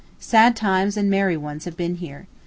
Sad times and merry ones have been here.